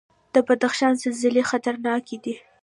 د بدخشان زلزلې خطرناکې دي